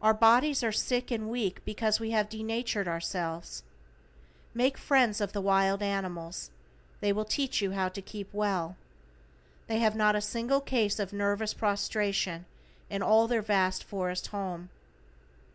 Our bodies are sick and weak because we have denatured ourselves. Make friends of the wild animals, they will teach you how to keep well. They have not a single case of nervous prostration in all their vast forest home.